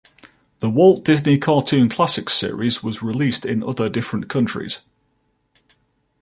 The Walt Disney Cartoon Classics series was released in other different countries.